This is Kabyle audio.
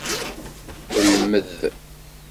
Lmed!